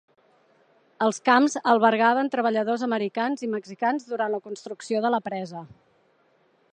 Els "camps" albergaven treballadors americans i mexicans durant la construcció de la presa.